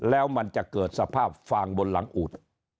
แล้วมันจะเกิดสภาพฟางบนหลังอูด